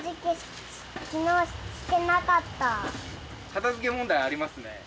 片づけ問題ありますね。